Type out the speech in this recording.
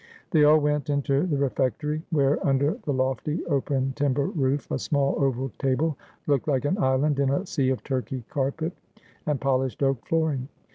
They all went into the refectory, where, under the lofty open timber roof, a small oval table looked like an island in a sea of Turkey carpet and polished oak flooring.